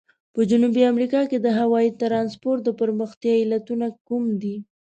په جنوبي امریکا کې د هوایي ترانسپورت د پرمختیا علتونه کوم دي؟